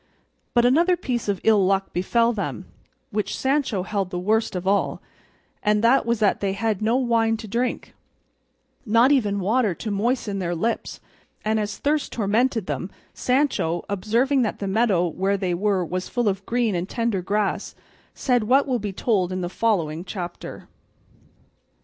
But another piece of ill luck befell them, which Sancho held the worst of all, and that was that they had no wine to drink, nor even water to moisten their lips; and as thirst tormented them, Sancho, observing that the meadow where they were was full of green and tender grass, said what will be told in the following chapter.